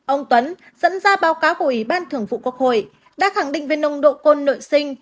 ông tuấn dẫn ra báo cáo của ủy ban thường vụ quốc hội đã khẳng định về nồng độ côn nội sinh